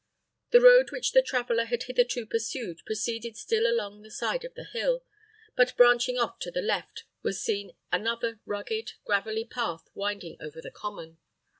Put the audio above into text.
The road which the traveller had hitherto pursued proceeded still along the side of the hill, but, branching off to the left, was seen another rugged, gravelly path winding over the common.